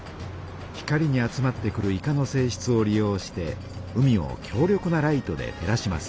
光に集まってくるイカのせいしつを利用して海を強力なライトで照らします。